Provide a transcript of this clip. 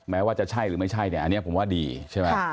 ว่าจะใช่หรือไม่ใช่เนี่ยอันนี้ผมว่าดีใช่ไหม